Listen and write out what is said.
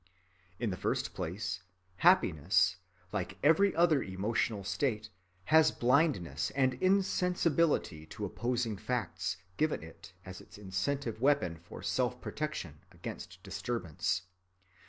In the first place, happiness, like every other emotional state, has blindness and insensibility to opposing facts given it as its instinctive weapon for self‐protection against disturbance.